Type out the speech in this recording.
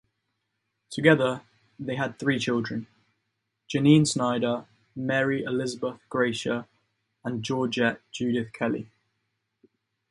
Together they had three children: Janine Snyder, Mary Elizabeth Gracier, and Georgette Judith Kelley.